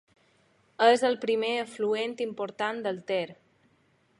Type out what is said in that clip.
És el primer afluent important del Ter.